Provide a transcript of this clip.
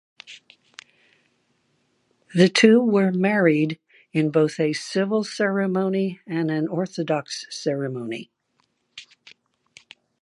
The two were married in both a civil ceremony and an Orthodox ceremony.